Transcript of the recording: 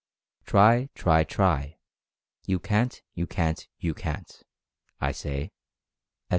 Try, try, try — you Can't, you Can't, you CAN'T, I Say," etc.